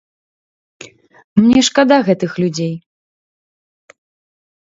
Мне шкада гэтых людзей.